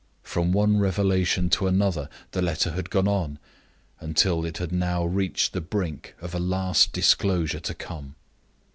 From one revelation to another the letter had gone on, until it had now reached the brink of a last disclosure to come.